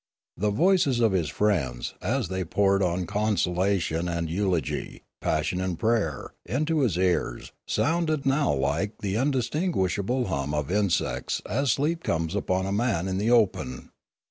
The voices of his friends, as they poured con solation and eulogy, persuasion and prayer, into his ears, sounded now like the undistinguishable hum of insects as sleep comes upon a man in the open.